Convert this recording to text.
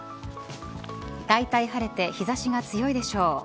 大体晴れて日差しが強いでしょう。